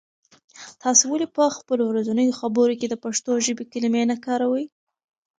تاسې ولې په خپلو ورځنیو خبرو کې د پښتو ژبې کلمې نه کاروئ؟